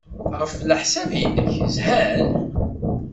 Ɣef leḥsab-nnek, zhan?